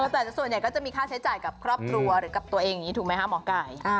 แต่ส่วนใหญ่ก็จะมีค่าใช้จ่ายกับครอบครัวหรือกับตัวเองอย่างนี้ถูกไหมคะหมอไก่